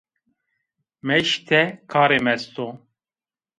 Meşte karê mi est o.